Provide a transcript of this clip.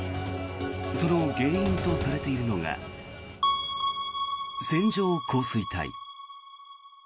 その原因とされているのが線状降水帯。